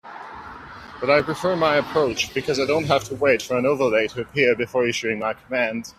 But I prefer my approach because I don't have to wait for an overlay to appear before issuing my command.